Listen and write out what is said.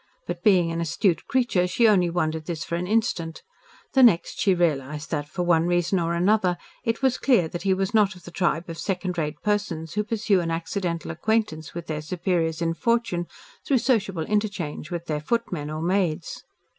But, being an astute creature, she only wondered this for an instant, the next she realised that, for one reason or another, it was clear that he was not of the tribe of second rate persons who pursue an accidental acquaintance with their superiors in fortune, through sociable interchange with their footmen or maids.